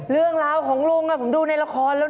เรื่องราวของลุงผมดูในละครแล้วนะ